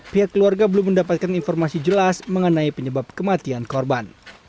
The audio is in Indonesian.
pihak keluarga belum mendapatkan informasi jelas mengenai penyebab kematian korban